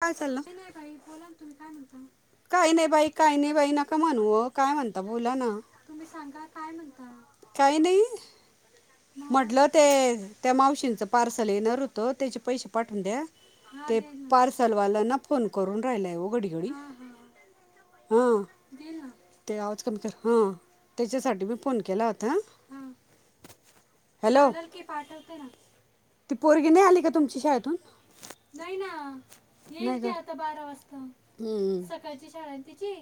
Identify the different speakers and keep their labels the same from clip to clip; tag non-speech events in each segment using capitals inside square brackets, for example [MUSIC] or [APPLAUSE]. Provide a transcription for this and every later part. Speaker 1: काय चाललं काहीच नाही बाई बोला ना, तुम्ही काय म्हणता? काही नाही बाई काही नाही बाई नका म्हणू ओ. काय म्हणता बोला ना? तुम्ही सांगा काय म्हणता काही नाही. म्हटलं ते त्या मावशींचं पार्सल येणार होतं, त्याचे पैसे पाठवून द्या. ते पार्सलवालाना फोन करून राहिलाय व घडी घडी हां. ते आवाच कमी कर हां, त्याच्यासाठी मी फोन केला होता.
Speaker 2: हा चालल की पाठवते ना. नाही ना. येईल ती आता बारा वाजता सकाळची शाळा हाय ना तिची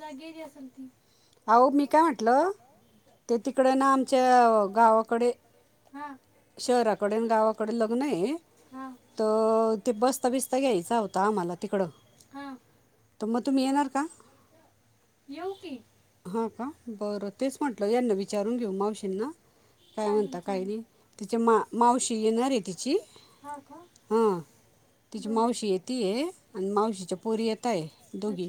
Speaker 2: जा गेली असल ती
Speaker 1: च्या गावाकडे शहराकडे अन् गावाकडे लग्न आहे त ते बसता बीस स्ता घ्यायचा होता आम्हाला तिकड, तर मग तुम्ही येणार का? येवू की हो का बरं तेच म्हंटलं यांना विचारून घेऊ मावशी ना काय म्हणता? काही नाही तिची मा मावशी येणारेए तिची हा. तिची मावशी येतीए आणि मावशीच्या पोरी येता एत दोघी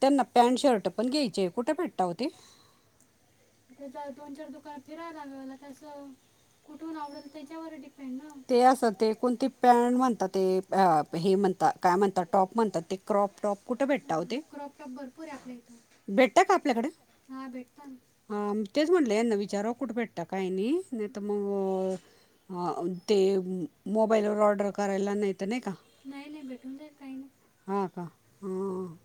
Speaker 1: त्यांना पॅन्ट शर्ट पण घ्यायचे आहे कुठे भेटता ओ ते
Speaker 2: आता दो दोन चार दुकान फिरावं लागल आता असं. कुठून आवडल तेच्यावर डिपेंड ना, [UNINTELLIGIBLE] ते हे म्हणता काय म्हणता क्रॉप ते क्रॉप क्रॉप कुठे भेटत ओ ते क्रॉप. भरपूर आहे आपल्या इथं, भेटत का आपल्याकडं हा भेटता ना, व. तेच म्हटलं यांना विचारावं कुठं, भेटत काय नाही नाही तर मग. हा ते मोबाईल वर ऑर्डर करायला नाही तर, का नाही नाही भेटून जाईल काही नाही.
Speaker 1: हां.. का.. हा..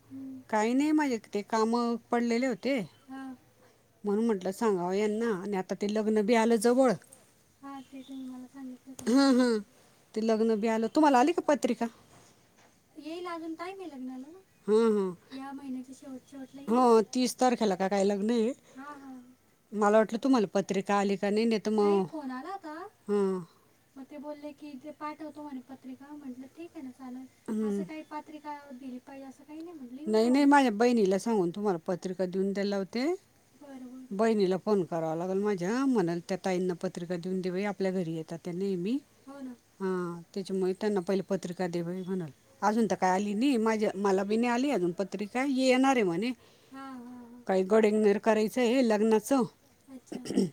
Speaker 1: काही नाही माझे ते काम पडलेले होते, हां म्हणून म्हटलं. सांगाव यांना आणि आता ते लग्न बी आलं जवळ, हा ते तुम्ही मला सांगितलं होतं. हा.. हा.. ते लग्न बी आलं, तुम्हाला आली का पत्रिका.
Speaker 2: येईल अजून टाईम आहे, लग्नाला ना. या महिन्याच्या शेवट शेवटला येईल. हा तीस तारखेला का काय लग्न आहे. मला वाटलं तुम्हाला पत्रिका आली का नाही, नाही फोन आला होता. मग ते बोले की ते पाठवतो म्हणे, पत्रिका म्हटलं ठीक आहे ना चालेल असं काही पात्र पत्रिका दिली पाह्या असल. काही नाही म्हटलं येऊन जाऊं. [UNINTELLIGIBLE]
Speaker 1: बहिणीला फोन करावा लागेल माझ्या, म्हणल त्या ताईंना पत्रिका देऊन ते बाई आपल्या घरी येतात. त्या नेहमी हो ना हां, त्यांच्यामुळे त्यांना पहिले पत्रिका द्या बाई म्हणलं. अजून तर काय आली नाही. माझ्या मला, इ नाही अजून आलिये पत्रिका येणार आहे म्हणे, हां.. हां.. काय गडेगनर करायचं आहे ल कुणाचं, अच्छा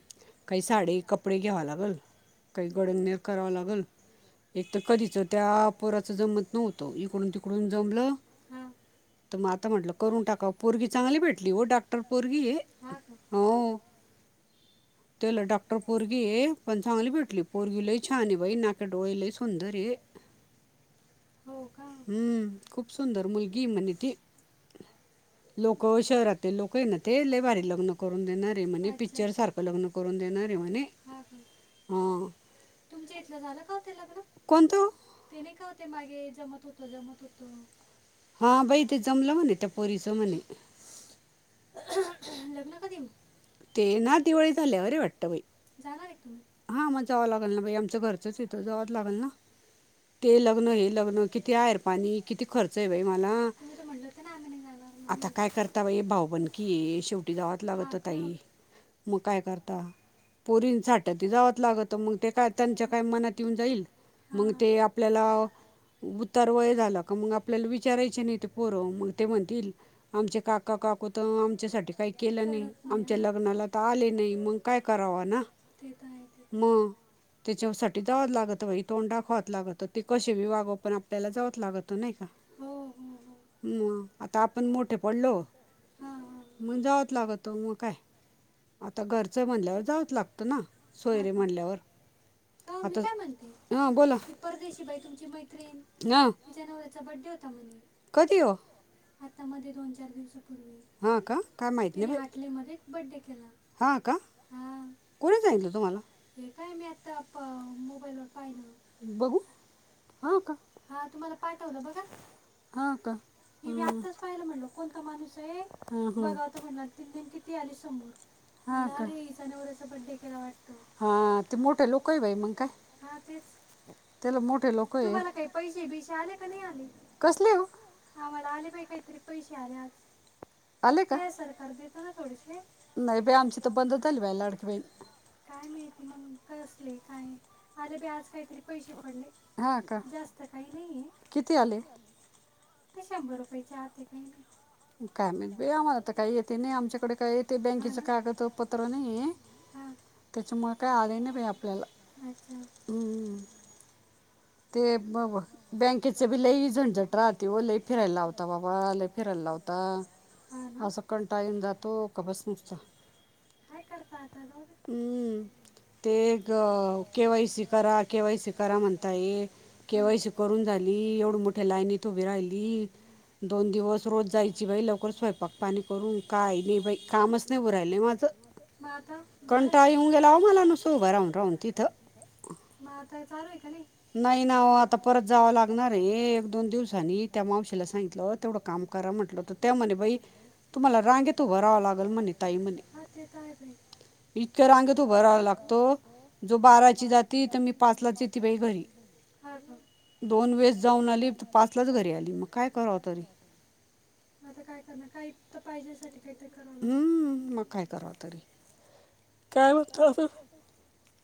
Speaker 1: काही साडी कपडे घ्यावा लागल, काही गडेगनेर करावा लागल. एक तर कधीच त्या, पोराचं जमत नव्हतं इकडून तिकडून जमलं. हं.. तर मग आता म्हटलं करून टाकावं, पोरगी चांगली भेटली हो डाॅक्टर पोरगी ये.
Speaker 2: हं, का.
Speaker 1: हो. त्याला डॉक्टर पोरगी ये, पण चांगली भेटली पोरगी लई छान आहे बाई नाके डोळे लई सुंदर ये. हो का, हम्म खूप सुंदर. तर मुलगी आहे म्हणे ती, लोक शहरातील लोक ए ना ते लई भारी लग्नं. करून देणार आहे म्हणे, पिक्चर सारखं लग्न करून देणारे म्हणे. हां तुमच्या इथलं झालं का ओ ते लग्न, कोणतं हो ते नाही का मागे जमत होत जमत होत. हां बाई ते जमल म्हणे, त्या पोरी
Speaker 2: लग्नं कधी आहे मग. [UNINTELLIGIBLE] जाणार आहे का तुम्ही, हां मग जावं लागेल
Speaker 1: [UNINTELLIGIBLE]
Speaker 2: [UNINTELLIGIBLE]
Speaker 1: जावंच लागेल ना, ते लग्न हे लग्न किती आहेर पाणी, किती खर्च आहे बाई मला, तुम्हीच म्हणले होते ना आम्ही नाही जाणार. आता काय करता बाई, भाऊबनकी आहे शेवटी जावाच लागता ताई. मग काय करता. पोरींनसाठी त जावत लागत मग ते, काय त्यांच्या काय मनात येऊन जाईल. मग ते आपल्याला उतार वय झालं का, मग आपल्याला विचारायचे नाही ते पोरं मग. ते म्हणतील. आमचे काका काकू तर आमच्यासाठी काही, केलं नाही. आमच्या लग्नाला तर आले नाही, मग काय कराव ना. ते तर आहे मग, तेच्यासाठी जावंच लागत बाई. तोंड दाखवातंं लागत ते कशी बी वागो, पण आपल्याला जावत लागत नाही का. हो हो हो.. मग आता आपण मोठे पडलो. मग जावच लागतं मग काय,
Speaker 2: घरचं म्हणाल्यावर जावचं लागत ना, [UNINTELLIGIBLE] का ओ मी काय म्हणते, आ बोला ना, ती परदेशी बाई तुमची मैत्रिण तिच्या नवऱ्याचा बड्डे हो ता म्हणे कधी हो, आता मध्ये दोन चार दिवसापूर्वी हा का, काय माहित. तिनी हाटली मध्ये बड्डे केला. हां का कोणी सांगितलं तुम्हाला, हे काय मी आता मोबाईलवर पाहिलं. बघू हो का, तुम्हाला पाठवलं बघा. मी बी आत्ता चं. पाहिलं म्हटल कोणता माणूस आहे बघावता म्हटलं आणि ती नेमकी ती आली समोर. म्हटलं अरे नवराचा बड्डे केला वाटत. हा तेच तुम्हाला काही पैसे बिसे आले का नाही आले. हा मला आले पाहि काहीतरी पैसे आले आज ते सरकार देत. थोडेसे काय माहित. ते मग कसले काय आले बई आज काहीतरी पैसे पडले जाती. काही नाही शंभर रुपये. पैसे आते काही नाही. हाना हा. अच्छा. ते बँकेचे बाई झंझट राहते फिरायला. हा ना. कंटाळा येऊन जाते. काय करता आता जाऊ दे. परवा व [INAUDIBLE] दोन दिवस [INAUDIBLE] म आता झाल का. थ [INAUDIBLE] मता चालू आहे का नाही. का कर त्या म्हणे म्हणे बई [INAUDIBLE] तेेत आहे बाई. इ बाराचीात म [INAUDIBLE]
Speaker 1: दोन वेळेस जाऊन आली तर पाचलाच घरी आली मग काय करावं तरी.
Speaker 2: आता काय. कारण काही तर पाहिजेसाठी काही ते करावं लागल. का चालू [UNINTELLIGIBLE]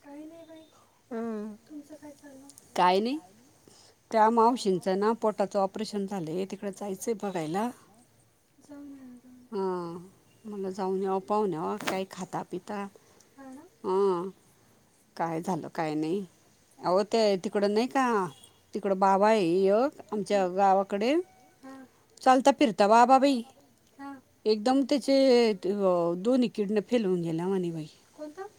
Speaker 2: काही नाही बाई तुमचं काय चाल. ऑपरेशन घ [INAUDIBLE] जाऊ ना जाऊ.
Speaker 1: हा काय झालं काही नाही.
Speaker 2: ओके नाही का इकड बाबा आवा आ [UNINTELLIGIBLE] हा चालता चालत [UNINTELLIGIBLE] हा एकद [INAUDIBLE] कोणता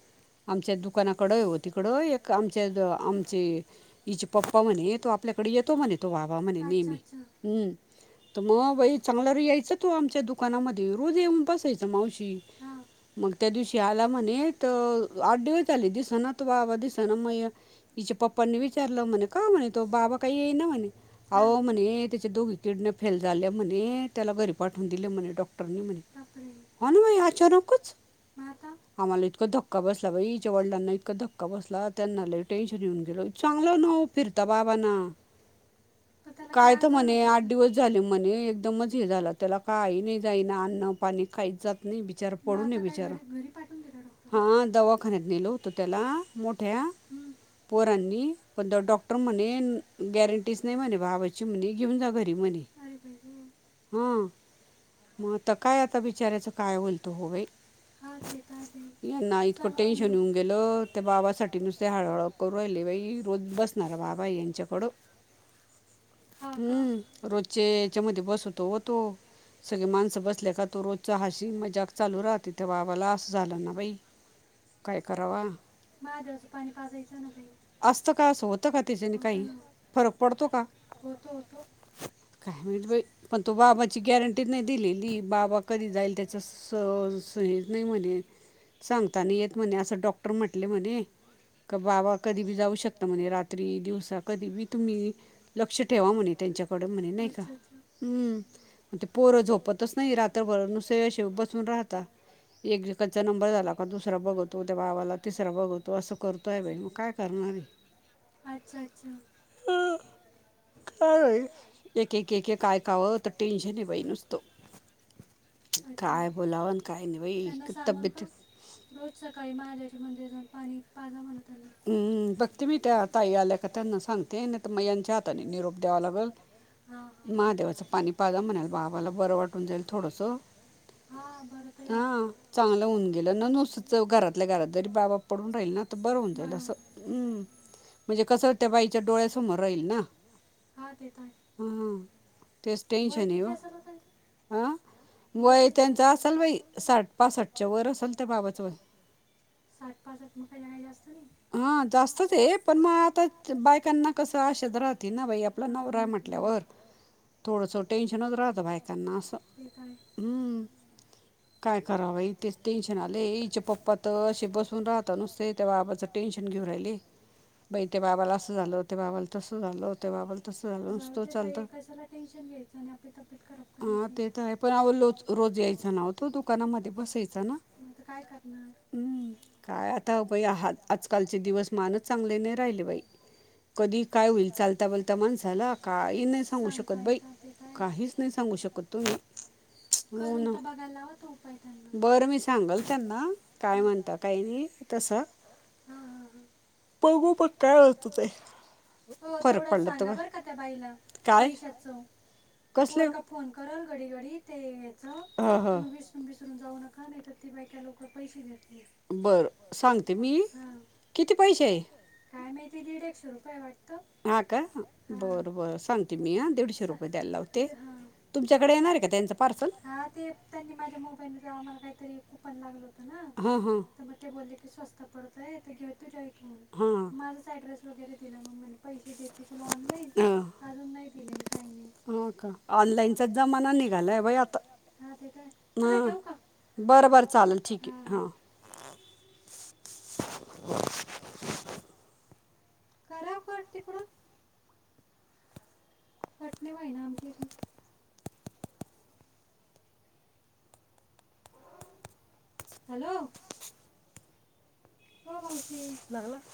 Speaker 1: आमच्या दुकानाकड ओ तिकड एक आमच्या आमचे हिचे पप्पा म्हणे तूवा. आपल्याकडे येतो म्हणे तो वाबा म्हणे नेहमी.
Speaker 2: मग बाई चांग र यायचं तू आमच्या दुकानामध्ये रोज येऊन बसायच मावशीने हा.
Speaker 1: मग त्या दिवशी आला म्हणे तर आठ दिवस. वि ले दिसना तो बाबा दिसना म हिच्या पप्पांनी विचारलं म्हणे का म्हणे तो बाबा काही येई ना म्हणे. आ मने ते चि दोग.
Speaker 2: योजना फेल झाल्या म्हणे त्याला घरी पाठवून दिलं म्हणे डॉक्टर म्ह म्हणतात बापरे.
Speaker 1: आणि हो बाई अचानकच.
Speaker 2: मग आता आम्हाला इत धक्का बई.
Speaker 1: च्या वडलांना इतका धक्का बसला त्यांना ल टेन्शन येऊन गेलो चांगल न फिरता बाबाना. काय त म्हणे आठ. दिवस झाले म्हणे एकदमच हे झालं त्याला काही नाही जाईना अन्न पाणी काहीच जात. नाही बिचार पडू बिचार हा दवाख न्या नेलो होत त्याला मोठ्या. पोरांनी पण त्यो डॉक्टर म्हणे गॅरंटीच नाही म्हणे बाबाची म्हणे घेऊन जां घरी.
Speaker 2: हम अरे बाई हो हा. काय आता विचाराच काय माहिती [UNINTELLIGIBLE] ते चांगलंय [INAUDIBLE]
Speaker 1: वाढव.
Speaker 2: हा का. रोज [UNINTELLIGIBLE]
Speaker 1: त्या बाबाला आस झालना बाई काय करावा महादेवाचं पाणी पहायचं ना ताई असतो का असं होतं का तिच्याने काही फरक पडतो का हो. काय माहित बाई पण तो बाबाची गॅरंटी नाही दिलेली. बाबा कधी जाईल त्याच स सहज नाही म्हणे सांगता. येत म्हणे असं डॉक्टर म्हटले म्हणे का बाबा कधी बी जाऊ शकता म्हणे रात्री दिवसा कधी मी तुम्ही लक्ष ठेवा म्हणे त्यांच्याकडं म्हणे. नाही का हम्म ते पोरं झोपतच नाहीय रात्रभर नुसेय बसून राहता. एक [UNINTELLIGIBLE] कचा नंबर झाला.
Speaker 2: [UNINTELLIGIBLE] अच्छा अच्छा [UNINTELLIGIBLE] अच्छा त्यांना सांगून प रोज सकाळी महादेवाच्या मंदिर जाऊन पाणी पाजा म्हणावं त्यांना [UNINTELLIGIBLE] हा हा चालेल. हा बरं तरी वाठाव. बरोबर हा ते तर आहे.
Speaker 1: हा.
Speaker 2: वय किती असेल ओ त्यांचं वय [UNINTELLIGIBLE]
Speaker 1: पा हा जास्तच आहे पण मग आता बायकांना कसं आशेत राहते ना बाई आपला नवरा आहे म्हटल्यावर थोडस टेन्शनच राहतं बायकांना असं हम्म. काय कराव बाई इथेच
Speaker 2: [UNINTELLIGIBLE] पैसे [UNINTELLIGIBLE] जाऊ ते ताई कशाला टेन्शन घ्यायचं. आणि आपली तब्येत खराब करायची.
Speaker 1: तेच नाव तो दुकानामध्ये बसायच. ् काय आता आजकालचे दिवस मान
Speaker 2: [UNINTELLIGIBLE] [UNINTELLIGIBLE] सांगता येत येताय. करून तर बघाय लावा तो उपाय त्यांना बर मी सांगलं [UNINTELLIGIBLE] हा हा हा हो तेवढं सांगा बरं का त्या बाईला पैशाच तर पोर का फोन करल घडी घडी ते यायचं तुम्ही विसरून बिसरून जाऊ नका. हा नाही तर ती बायक लवकर पैसे घेत नाहीत हा. किती पैसे काय माहिती दीड एकशे रुपये वाटत. हा हा हा ते त्यांनी माझ्या मोबाईलने जाव मला का तरी कूपन लागलं होत ना तर मग ते बोलले की स्वस्त पडतय तर घेऊ तुझ्या इथहून माझाच ड्रेस वगैरे दिला म पै देते तुला ऑन नाही अजून नाही दिले काही नाही. हा तेेतय चला ठेव का.
Speaker 1: बरं बरं चालेल ठीक आहे हां.
Speaker 2: कराव कट तिकडून कट नी व्हय होय ना आमची इथून.
Speaker 1: हॅलो
Speaker 2: हो मावशी